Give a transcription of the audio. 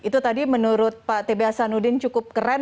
itu tadi menurut pak tb hasanuddin cukup keren